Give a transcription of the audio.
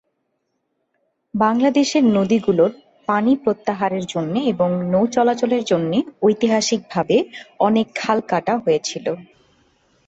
বাংলাদেশের নদীগুলোর পানি প্রত্যাহারের জন্যে এবং নৌ চলাচলের জন্যে ঐতিহাসিকভাবে অনেক খাল কাটা হয়েছিলো।